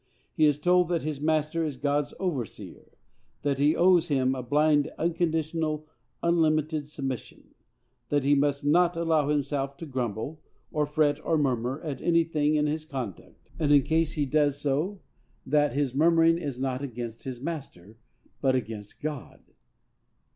He is told that his master is God's overseer; that he owes him a blind, unconditional, unlimited submission; that he must not allow himself to grumble, or fret, or murmur, at anything in his conduct; and, in case he does so, that his murmuring is not against his master, but against God.